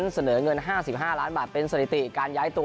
เสนอเงิน๕๕ล้านบาทเป็นสถิติการย้ายตัว